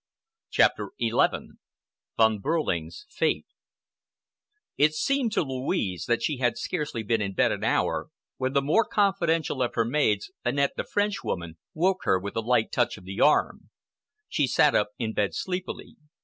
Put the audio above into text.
CHAPTER XI VON BEHRLING'S FATE It seemed to Louise that she had scarcely been in bed an hour when the more confidential of her maids—Annette, the Frenchwoman—woke her with a light touch of the arm. She sat up in bed sleepily.